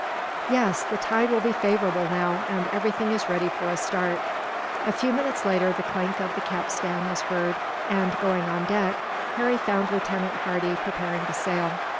"Yes; the tide will be favourable now, and everything is ready for a start." A few minutes later, the clank of the capstan was heard and, going on deck, Harry found Lieutenant Hardy preparing to sail.